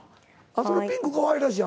そのピンクかわいらしい。